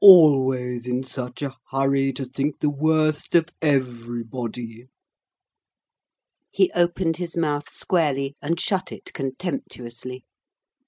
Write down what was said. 'Always in such a hurry to think the worst of everybody!' He opened his mouth squarely and shut it contemptuously.